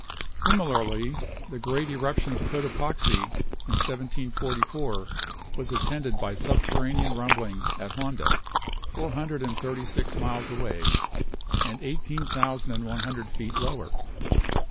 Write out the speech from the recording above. Similarly, the great eruption of Cotopaxi, in 1744, was attended by subterranean rumbling at Honda, four hundred and thirty six miles away, and eighteen thousand and one hundred feet lower.